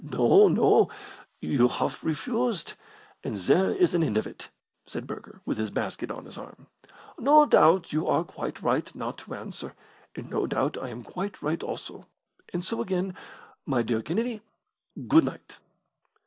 "No, no; you have refused, and there is an end of it," said Burger, with his basket on his arm. "No doubt you are quite right not to answer, and no doubt I am quite right also and so again, my dear Kennedy, good night!"